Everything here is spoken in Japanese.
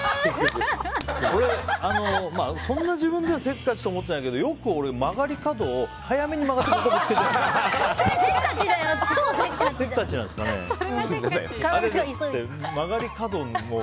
俺、そんなに自分ではせっかちと思ってないけどよく曲がり角を早めに曲がって肩ぶつけちゃう。